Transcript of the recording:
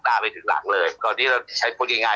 ในเรื่องของอะไรต่างเนี่ย